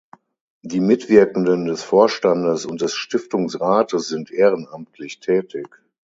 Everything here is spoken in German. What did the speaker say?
Die Mitwirkenden des Vorstandes und des Stiftungsrates sind ehrenamtlich tätig.